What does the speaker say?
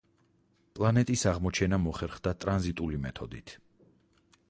პლანეტის აღმოჩენა მოხერხდა ტრანზიტული მეთოდით.